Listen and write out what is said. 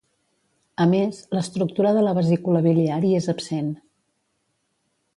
A més, l'estructura de la vesícula biliar hi és absent.